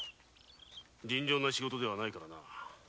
尋常な仕事ではないからな。